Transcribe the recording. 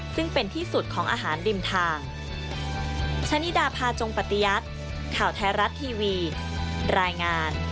ซึ่งเป็นที่สุดของอาหารริมทาง